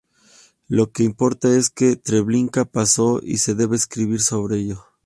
Lo que importa es que Treblinka pasó y se debe escribir sobre ello.